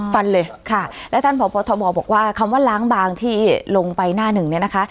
ฟันเลยค่ะและท่านพบทบบอกว่าคำว่าล้างบางที่ลงไปหน้าหนึ่งเนี่ยนะคะ